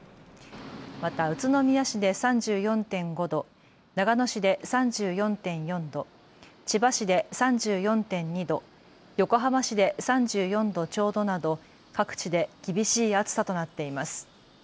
また宇都宮市で３４．５度、長野市で３４．４度、千葉市で３４．２度、横浜市で３４度ちょうどなど各地で厳しい暑さとなっています。